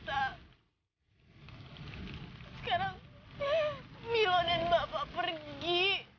sekarang milo dan bapak pergi